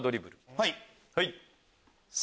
はい！